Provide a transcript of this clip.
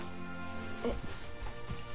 えっ。